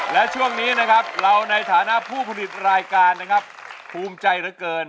และช่วงนี้นะครับเราในฐานะผู้ผลิตรายการนะครับภูมิใจเหลือเกิน